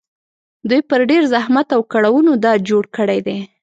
دوی په ډېر زحمت او کړاوونو دا جوړ کړي دي